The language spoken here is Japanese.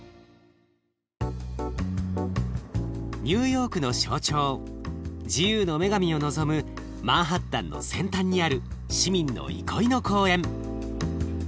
ニューヨークの象徴自由の女神を望むマンハッタンの先端にある市民の憩いの公園。